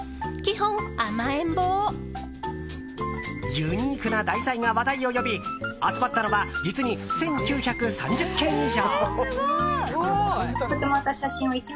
ユニークな題材が話題を呼び集まったのは実に１９３０件以上。